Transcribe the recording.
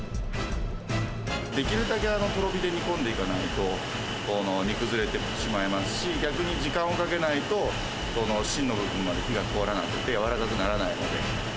できるだけとろ火で煮込んでいかないと、煮崩れてしまいますし、逆に時間をかけないと、芯の部分まで火が通らなくて、柔らかくならないので。